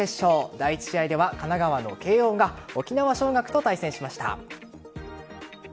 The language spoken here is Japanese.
第１試合では、神奈川の慶応が沖縄尚学と対戦しました。